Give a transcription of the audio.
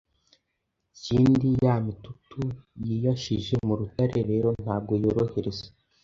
ikindi ya mitutu yiyashije mu rutare rero ntabwo yorohereza